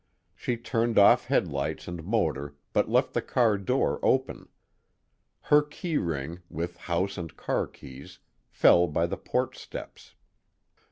She turned off headlights and motor but left the car door open. Her key ring, with house and car keys, fell by the porch steps.